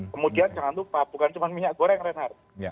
kemudian jangan lupa bukan cuma minyak goreng reinhardt